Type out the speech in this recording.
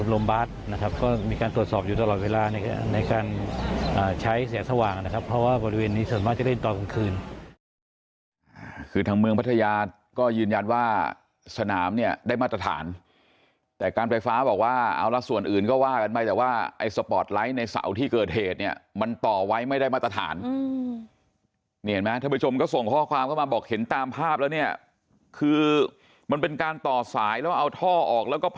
ได้เล่นตอนกลางคืนคือทั้งเมืองพัทยาก็ยืนยันว่าสนามเนี้ยได้มาตรฐานแต่การไฟฟ้าบอกว่าเอาล่ะส่วนอื่นก็ว่ากันไปแต่ว่าไอสปอร์ตไลท์ในเสาที่เกิดเหตุเนี้ยมันต่อไว้ไม่ได้มาตรฐานอืมนี่เห็นไหมท่านผู้ชมก็ส่งข้อความเข้ามาบอกเห็นตามภาพแล้วเนี้ยคือมันเป็นการต่อสายแล้วเอาท่อออกแล้